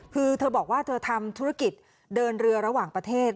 คือเธอบอกว่าเธอทำธุรกิจเดินเรือระหว่างประเทศ